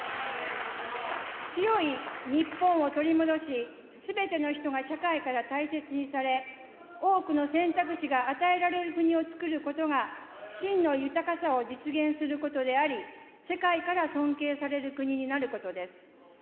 強い日本を取り戻し、すべての人が社会から大切にされ、多くの選択肢が与えられる国をつくることが、真の豊かさを実現することであり、世界から尊敬される国になることです。